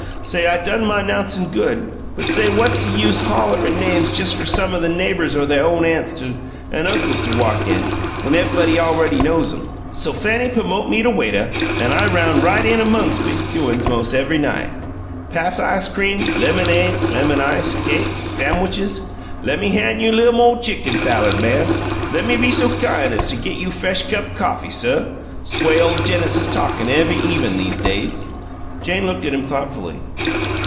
Say I done my 'nouncin' GOOD, but say what's use holler'n' names jes' fer some the neighbors or they own aunts an' uncles to walk in, when ev'ybody awready knows 'em? So Fanny pummote me to waituh, an' I roun' right in amongs' big doin's mos' ev'y night. Pass ice cream, lemonade, lemon ice, cake, samwitches. 'Lemme han' you li'l' mo' chicken salad, ma'am' ' 'Low me be so kine as to git you f'esh cup coffee, suh' 'S way ole Genesis talkin' ev'y even' 'ese days!" Jane looked at him thoughtfully.